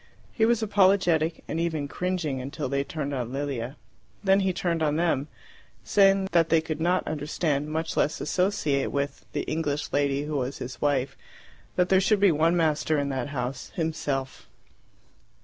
He was apologetic, and even cringing, until they turned on Lilia. Then he turned on them, saying that they could not understand, much less associate with, the English lady who was his wife; that there should be one master in that house himself.